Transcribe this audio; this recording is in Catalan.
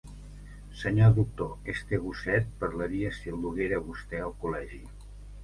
Senyor doctor, este gosset parlaria si el duguera vosté al col·legi.